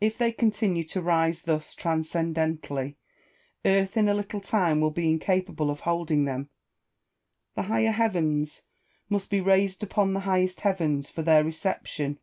If they continue to rise thus transcendently, earth in a little time will be incapable of holding them, and higher heavens must be raised upon the highest heavens for their reception.